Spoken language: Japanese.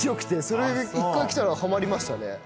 それが１回着たらハマりましたね。